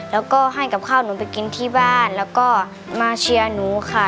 แล้วก็ให้กับข้าวหนูไปกินที่บ้านแล้วก็มาเชียร์หนูค่ะ